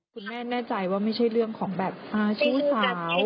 คุณแม่แน่ใจว่าไม่ใช่เรื่องของแบบชู้สาว